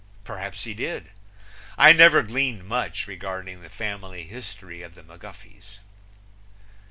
Perhaps he did. I never gleaned much regarding the family history of the McGuffeys.